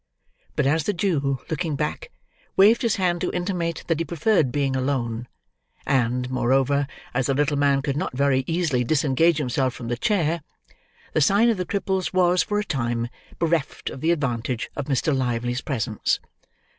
But as the Jew, looking back, waved his hand to intimate that he preferred being alone; and, moreover, as the little man could not very easily disengage himself from the chair; the sign of the Cripples was, for a time, bereft of the advantage of Mr. Lively's presence.